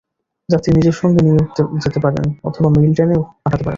যাত্রী নিজের সঙ্গে নিয়ে যেতে পারেন, অথবা মেইল ট্রেনে পাঠাতে পারেন।